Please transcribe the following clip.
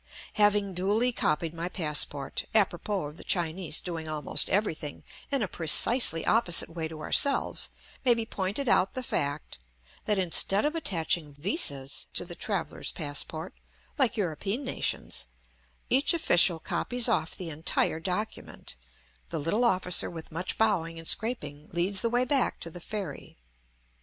Having duly copied my passport (apropos of the Chinese doing almost everything in a precisely opposite way to ourselves may be pointed out the fact that, instead of attaching vises to the traveller's passport, like European nations, each official copies off the entire document), the little officer with much bowing and scraping leads the way back to the ferry.